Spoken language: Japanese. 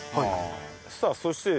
さあそしてですね